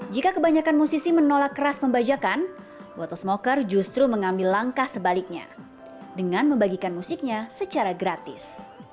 jika kebanyakan musisi menolak keras pembajakan watersmoker justru mengambil langkah sebaliknya dengan membagikan musiknya secara gratis